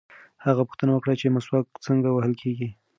هغه پوښتنه وکړه چې مسواک څنګه وهل کېږي.